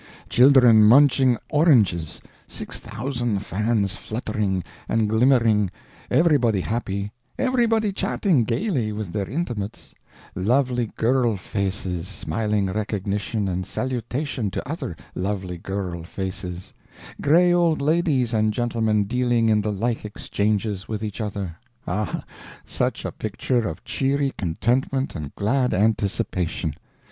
Children munching oranges, six thousand fans fluttering and glimmering, everybody happy, everybody chatting gayly with their intimates, lovely girl faces smiling recognition and salutation to other lovely girl faces, gray old ladies and gentlemen dealing in the like exchanges with each other—ah, such a picture of cheery contentment and glad anticipation!